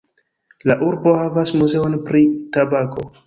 La urbo havas muzeon pri tabako.